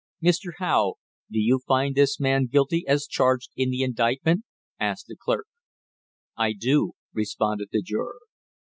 "Mr. Howe, do you find this man guilty as charged in the indictment?" asked the clerk. "I do," responded the juror.